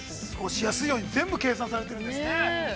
◆過ごしやすいように計算されてるんですよね。